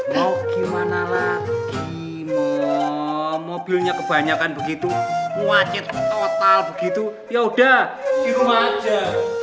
mau gimana lagi mau mobilnya kebanyakan begitu wajib total begitu ya udah di rumah